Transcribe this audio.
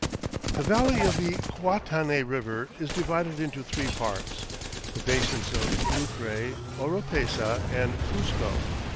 The valley of the Huatanay River is divided into three parts, the basins of Lucre, Oropesa, and Cuzco.